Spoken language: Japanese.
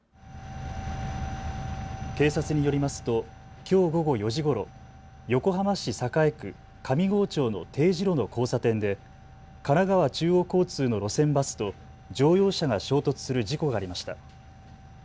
警察によりますときょう午後４時ごろ、横浜市栄区上郷町の丁字路の交差点で神奈川中央交通の路線バスと乗用車が衝突する事故がありました。